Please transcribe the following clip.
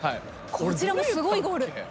こちらもすごいゴール。